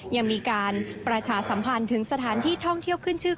ยังมีการประชาสัมพันธ์ถึงสถานที่ท่องเที่ยวขึ้นชื่อ